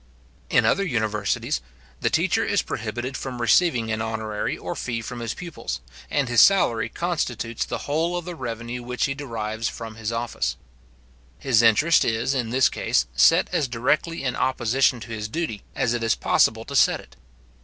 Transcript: In other universities, the teacher is prohibited from receiving any honorary or fee from his pupils, and his salary constitutes the whole of the revenue which he derives from his office. His interest is, in this case, set as directly in opposition to his duty as it is possible to set it.